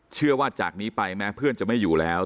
จากนี้ไปแม้เพื่อนจะไม่อยู่แล้ว